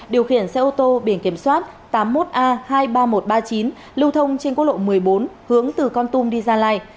điều khiển xe ô tô biển kiểm soát tám mươi một a hai mươi ba nghìn một trăm ba mươi chín lưu thông trên quốc lộ một mươi bốn hướng từ con tum đi gia lai